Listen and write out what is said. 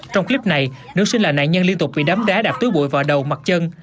trong clip này nữ sinh là nạn nhân liên tục bị đấm đá đạp túi bụi vào đầu mặt chân